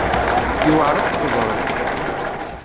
Yewɛer ad tt-teẓreḍ.